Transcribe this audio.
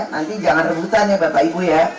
nanti jangan rebutan ya bapak ibu ya